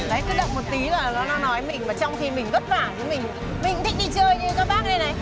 đấy cứ đậm một tí là nó nói với mình mà trong khi mình vất vả mình cũng thích đi chơi như các bác đây này